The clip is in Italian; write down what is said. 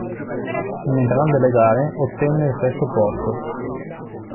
In entrambe le gare ottenne il sesto posto.